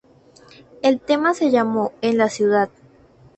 El tema se llamó "En la Ciudad".